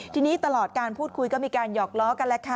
ทีนี้ตลอดการพูดคุยก็มีการหยอกล้อกันแล้วค่ะ